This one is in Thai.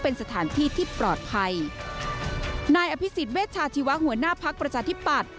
นายอภิษฎเวชาชีวะหัวหน้าภักรประชาธิปัตร